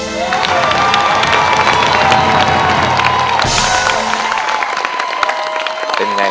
ตาแป้งเนอะ